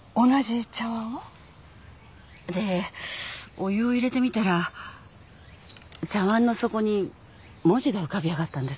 お湯を入れてみたら茶わんの底に文字が浮かび上がったんです。